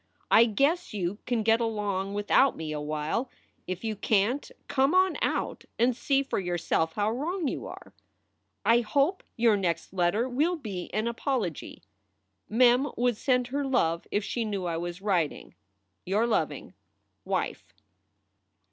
I guess you can get along without me awhile. If you can t, come on out and see for yourself how wrong you are. I hope your next letter will be an apology. Mem would send her love if she knew I was writing. Your loving WIFE.